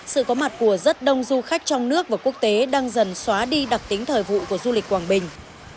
sự có mặt của rất đông du khách trong nước và quốc tế đang dần xóa đi đặc tính thời vụ của du lịch quảng bình